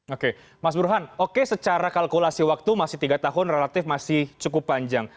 oke mas burhan oke secara kalkulasi waktu masih tiga tahun relatif masih cukup panjang